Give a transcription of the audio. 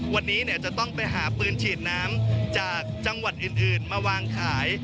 วันนี้จะต้องไปหาปืนฉีดน้ำจากจังหวัดอื่นมาวางขาย